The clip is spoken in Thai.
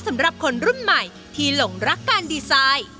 สำหรับคนรุ่นใหม่ที่หลงรักการดีไซน์